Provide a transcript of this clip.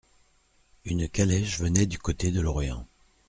Une calèche venait du côté de Lorient.